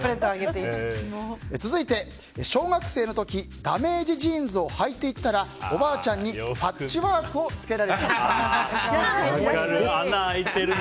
続いて、小学生の時ダメージジーンズをはいていったらおばあちゃんにパッチワークを分かる。